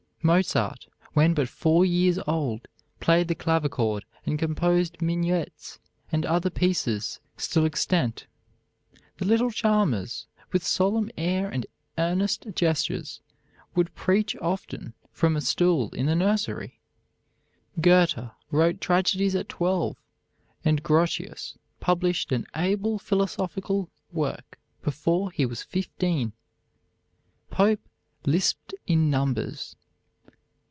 Mozart, when but four years old, played the clavichord and composed minuets and other pieces still extant. The little Chalmers, with solemn air and earnest gestures, would preach often from a stool in the nursery. Goethe wrote tragedies at twelve, and Grotius published an able philosophical work before he was fifteen. Pope "lisped in numbers."